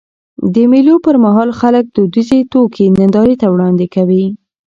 د مېلو پر مهال خلک دودیزي توکي نندارې ته وړاندي کوي.